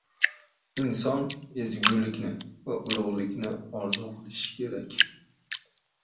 Inson ezgulikni va ulug‘likni orzu qilishi kerak.